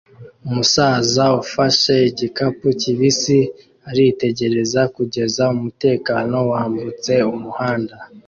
Umusaza ufashe igikapu kibisi arategereza kugeza umutekano wambutse umuhanda